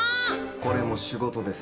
これも仕事です。